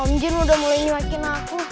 om jin udah mulai nyuapin aku